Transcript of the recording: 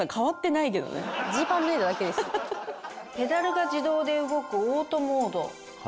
ペダルが自動で動くオートモード。